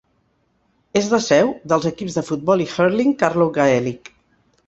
És la seu dels equips de futbol i hurling Carlow Gaelic.